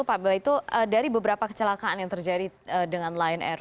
pak baitul dari beberapa kecelakaan yang terjadi dengan lion air